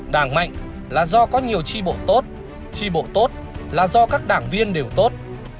đảng mạnh là do có nhiều tri bộ tốt tri bộ tốt là do các đảng viên đều tốt